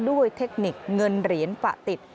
เทคนิคเงินเหรียญปะติด